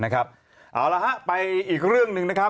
ก็วางดู